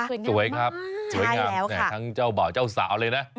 สวยครับสวยงามทั้งเจ้าบ่าวเจ้าสาวเลยนะ